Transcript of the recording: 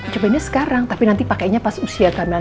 cobainnya sekarang tapi nanti pakainya pas usia kehamilan